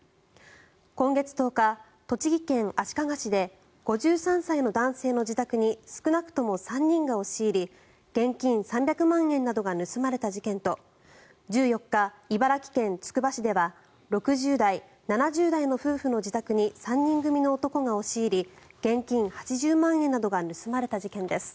今月１０日、栃木県足利市で５３歳の男性の自宅に少なくとも３人が押し入り現金３００万円などが盗まれた事件と１４日、茨城県つくば市では６０代、７０代の夫婦の自宅に３人組の男が押し入り現金８０万円などが盗まれた事件です。